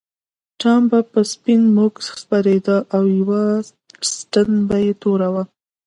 ټام به په سپین موږک سپرېده او یوه ستن یې توره وه.